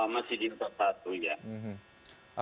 masih di nomor satu ya